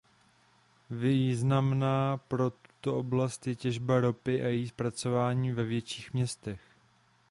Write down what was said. Významná pro tuto oblast je těžba ropy a její zpracování ve větších městech.